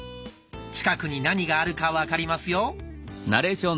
近くに何があるか分かりますよ。